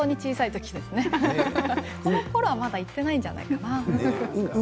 このころはまだ行っていないんじゃないかな。